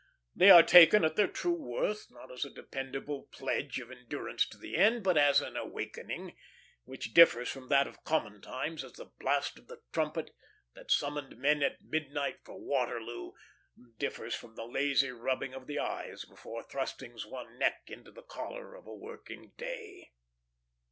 They are to be taken at their true worth; not as a dependable pledge of endurance to the end, but as an awakening, which differs from that of common times as the blast of the trumpet that summoned men at midnight for Waterloo differs from the lazy rubbing of the eyes before thrusting one's neck into the collar of a working day.